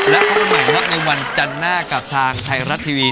และข้อหนึ่งนะครับในวันจันทร์หน้ากับทางไทยรัฐทีวี